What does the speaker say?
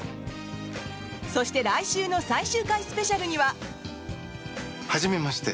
そして来週の最終回スペシャルには。はじめまして。